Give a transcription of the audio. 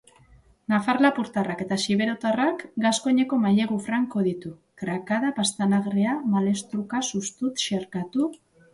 Nafar-lapurtarrak eta xiberotarrak gaskoineko mailegu franko ditu: "krakada", "pastanagrea", "malestruka", "sustut", "xerkatu"...